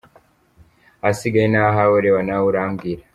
Ahasigaye ni ahawe reba nawe urambwira.